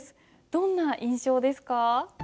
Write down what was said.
どんな印象ですか？